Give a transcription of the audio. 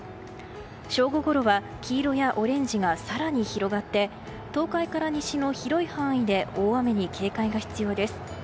正午ごろは黄色やオレンジが更に広がって東海から西の広い範囲で大雨に警戒が必要です。